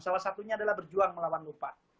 salah satunya adalah berjuang melawan lupa